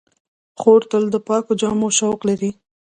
خور تل د پاکو جامو شوق لري.